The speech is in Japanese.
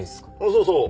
そうそう。